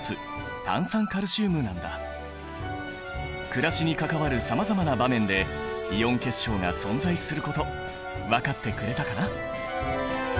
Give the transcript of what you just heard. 暮らしに関わるさまざまな場面でイオン結晶が存在すること分かってくれたかな？